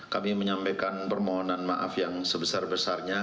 kami menyampaikan permohonan maaf yang sebesar besarnya